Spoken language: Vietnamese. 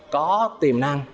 có tiềm năng